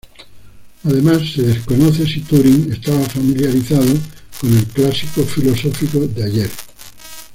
Además se desconoce si Turing estaba familiarizado con el clásico filosófico de Ayer.